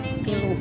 eh ini lupa